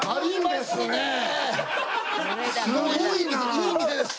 いい店です。